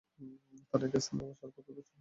তারা একস্থানে আসার অপেক্ষা করছিলো।